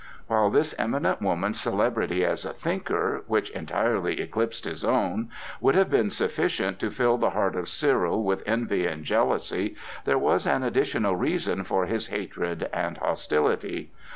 While this eminent woman's celebrity as a thinker—which entirely eclipsed his own—would have been sufficient to fill the heart of Cyril with envy and jealousy, there was an additional reason for his hatred and hostility.